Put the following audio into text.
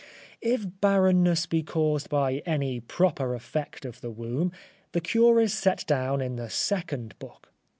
If barrenness be caused by any proper effect of the womb, the cure is set down in the second book.